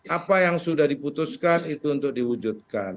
apa yang sudah diputuskan itu untuk diwujudkan